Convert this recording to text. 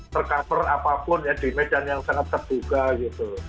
tercover apapun ya di medan yang sangat terbuka gitu